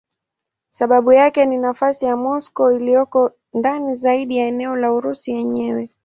Sababu yake ni nafasi ya Moscow iliyoko ndani zaidi ya eneo la Urusi yenyewe.